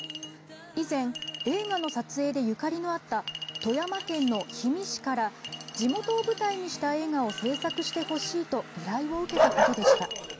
以前、映画の撮影でゆかりのあった富山県の氷見市から地元を舞台にした映画を制作してほしいと依頼を受けたことでした。